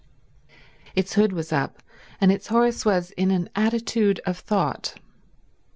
Its hood was up, and its horse was in an attitude of thought.